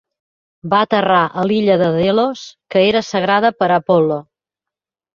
Va aterrar a l'illa de Delos, que era sagrada per a Apol·lo.